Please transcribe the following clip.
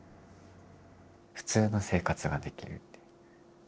普通の生活ができるっていう。